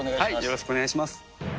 よろしくお願いします。